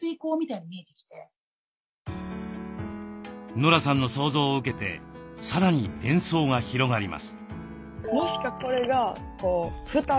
ノラさんの想像を受けてさらに連想が広がります。